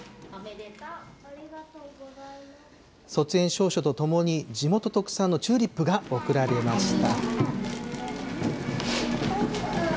卒園証書とともに、地元特産のチューリップが贈られました。